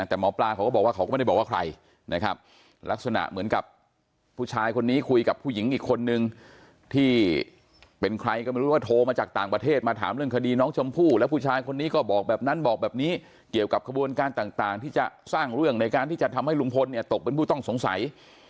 แต่หมอปลาเขาก็บอกว่าเขาก็ไม่ได้บอกว่าใครนะครับลักษณะเหมือนกับผู้ชายคนนี้คุยกับผู้หญิงอีกคนนึงที่เป็นใครก็ไม่รู้ว่าโทรมาจากต่างประเทศมาถามเรื่องคดีน้องชมพู่แล้วผู้ชายคนนี้ก็บอกแบบนั้นบอกแบบนี้เกี่ยวกับขบวนการต่างที่จะสร้างเรื่องในการที่จะทำให้ลุงพลเนี่ยตกเป็นผู้ต้องสงสัย